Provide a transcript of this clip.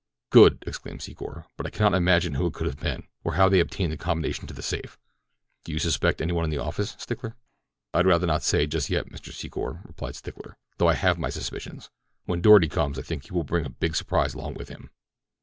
"Good," exclaimed Secor. "But I cannot imagine who it could have been, or how they obtained the combination to the safe. Do you suspect any one in the office, Stickler?" "I'd rather not say just yet, Mr. Secor," replied Stickler, "though I have my suspicions. When Doarty comes I think he will bring a big surprise along with him."